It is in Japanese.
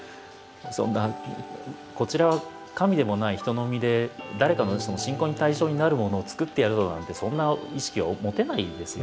そんなこちらは神でもない人の身で「誰かの信仰の対象になるものをつくってやるぞ」なんてそんな意識は持てないですよ。